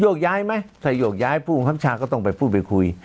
โยกย้ายไหมใส่โยกย้ายผู้บังคับชาติก็ต้องปูบว่าคุย